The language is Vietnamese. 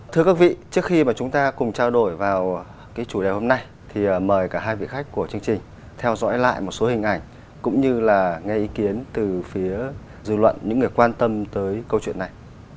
thưa quý vị trước khi mà chúng ta cùng trao đổi vào cái chủ đề hôm nay thì mời cả hai vị khách của chương trình theo dõi lại một số hình ảnh cũng như là ngay ý kiến từ phía dư luận những người quan tâm tới câu chuyện này